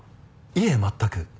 いえ全く。